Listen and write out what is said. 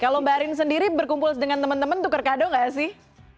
kalau mbak arin sendiri berkumpul dengan teman teman tukar kado nggak sih